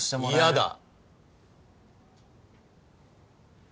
嫌だ。